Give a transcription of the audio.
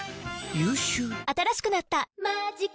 新しくなった「マジカ」